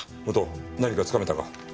武藤何かつかめたか？